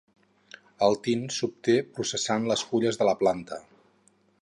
El tint s'obté processant les fulles de la planta.